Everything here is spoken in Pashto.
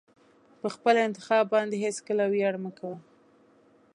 په خپل انتخاب باندې هېڅکله ویاړ مه کوه.